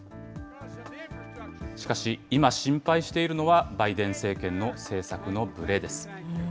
しかし、今、心配しているのは、バイデン政権の政策のぶれです。